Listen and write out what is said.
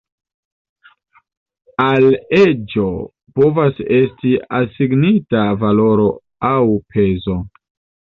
Al eĝo povas esti asignita valoro aŭ pezo.